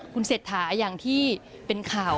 คุณเศรษฐาอย่างที่เป็นข่าว